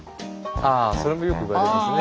ああそれもよく言われますね。